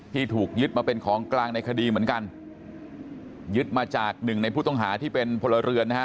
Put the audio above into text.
ที่ถูกยึดมาเป็นของกลางในคดีเหมือนกันยึดมาจากหนึ่งในผู้ต้องหาที่เป็นพลเรือนนะฮะ